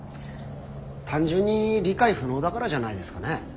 単純に理解不能だからじゃないですかね。